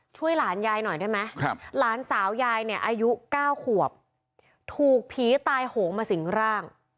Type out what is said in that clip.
ช่วยหลานยายหน่อยได้ไหมหลานสาวยายเนี่ยอายุ๙ขวบถูกผีตายโหงมาสิงร่าง